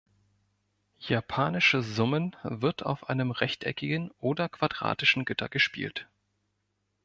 Japanische Summen wird auf einem rechteckigen oder quadratischen Gitter gespielt.